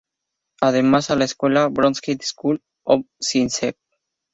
Asistió a la escuela Bronx High School of Science.